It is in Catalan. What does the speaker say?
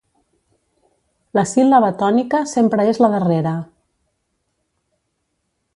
La síl·laba tònica sempre és la darrera.